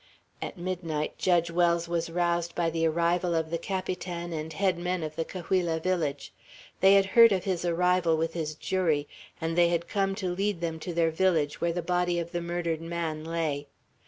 At midnight Judge Wells was roused by the arrival of the Capitan and head men of the Cahuilla village. They had heard of his arrival with his jury, and they had come to lead them to their village, where the body of the murdered man lay.